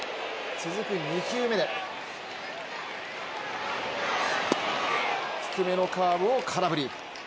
続く２球目で、低めのカーブを空振り。